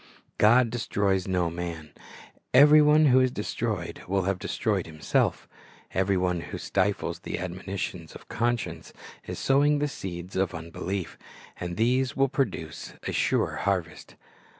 God destroys no man. Every one who is destroyed will have destroyed himself Every one who stifles the admonitions of conscience is sowing the seeds of unbelief, and these will produce a sure harvest.